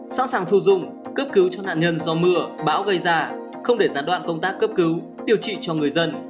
sẵn sàng thu dung cấp cứu cho nạn nhân do mưa bão gây ra không để gián đoạn công tác cấp cứu điều trị cho người dân